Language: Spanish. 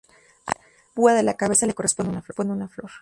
A cada púa de la cabeza le corresponde una flor.